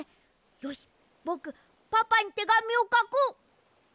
よしぼくパパにてがみをかこう！